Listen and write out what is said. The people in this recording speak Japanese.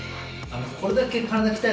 これだけ。